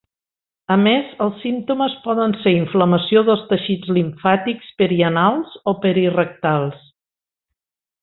A més, els símptomes poden ser inflamació dels teixits limfàtics perianals o perirectals.